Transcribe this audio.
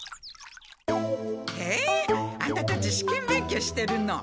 へえアンタたち試験勉強してるの。